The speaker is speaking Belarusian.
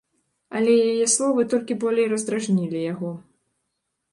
Але яе словы толькі болей раздражнілі яго.